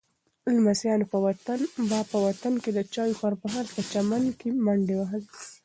لمسیانو به په وطن کې د چایو پر مهال په چمن کې منډې وهلې.